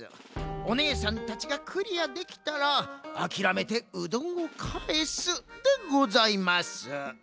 おねえさんたちがクリアできたらあきらめてうどんをかえすでございます。